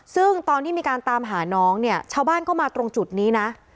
ซึ่งตอนที่มีการตามหาน้องเนี่ยชาวบ้านก็มาตรงจุดนี้นะ